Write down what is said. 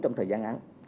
trong thời gian ngắn